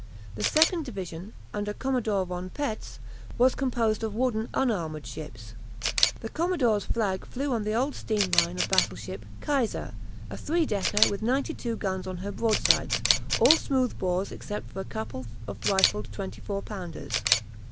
The second division, under Commodore von Petz, was composed of wooden unarmoured ships. The commodore's flag flew on the old steam line of battle ship "Kaiser," a three decker with ninety two guns on her broadsides, all smooth bores except a couple of rifled 24 pounders.